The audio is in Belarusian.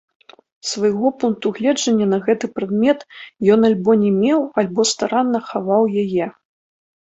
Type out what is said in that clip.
Свайго пункту гледжання на гэты прадмет ён альбо не меў, альбо старанна хаваў яе.